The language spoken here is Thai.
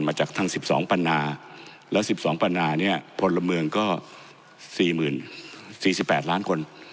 มาจากทาง๑๒ปันนาและจากทั้ง๑๒ปันนานพดลมเมืองก็๔๘ล้านคน